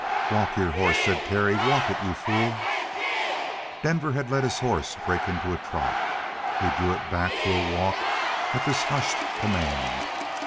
"Walk your horse," said Terry. "Walk it you fool!" Denver had let his horse break into a trot. He drew it back to a walk at this hushed command.